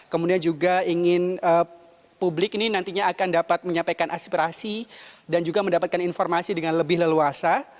kemudian juga ingin publik ini nantinya akan dapat menyampaikan aspirasi dan juga mendapatkan informasi dengan lebih leluasa